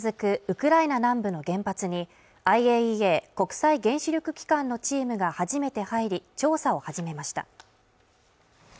ウクライナ南部の原発にＩＡＥＡ＝国際原子力機関のチームが初めて入り調査を始めました